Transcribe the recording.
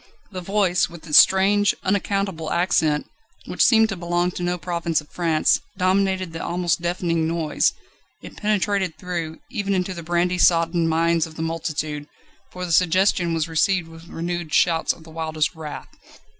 The voice, with its strange, unaccountable accent, which seemed to belong to no province of France, dominated the almost deafening noise; it penetrated through, even into the brandy soddened minds of the multitude, for the suggestion was received with renewed shouts of the wildest wrath.